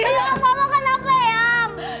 kamu kenapa eam